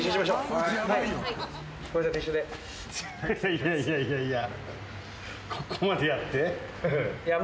いやいやいやいや。